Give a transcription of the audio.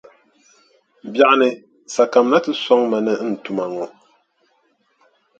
Biɛɣuni sa kamina nti sɔŋ ma ni n tuma ŋɔ.